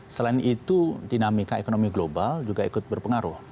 selain itu dinamika ekonomi global juga ikut berpengaruh